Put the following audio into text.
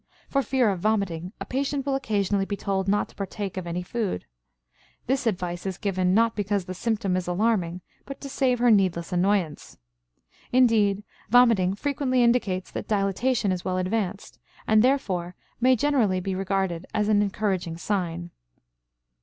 For fear of vomiting a patient will occasionally be told not to partake of any food. This advice is given, not because the symptom is alarming, but to save her needless annoyance. Indeed, vomiting frequently indicates that dilatation is well advanced, and, therefore, may generally be regarded as an encouraging sign.